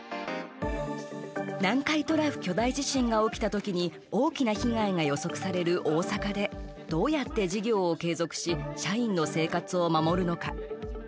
南海トラフ巨大地震が起きた時に大きな被害が予測される大阪でどうやって事業を継続し社員の生活を守るのか。